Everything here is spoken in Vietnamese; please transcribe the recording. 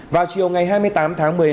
vào chiều ngày hai mươi tám tháng một mươi hai